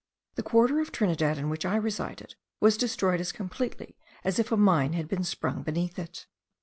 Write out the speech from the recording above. The quarter of Trinidad, in which I resided, was destroyed as completely as if a mine had been sprung beneath it.